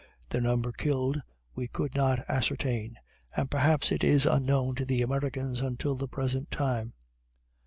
Their number killed we could not ascertain, and perhaps it is unknown to the Americans until the present time.